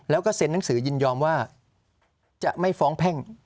แล้วก็เซ็นหนังสือยินยอมว่าจะไม่ฟ้องแพ่ง